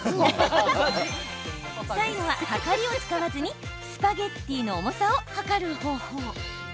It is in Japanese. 最後は、はかりを使わずにスパゲッティの重さを量る方法。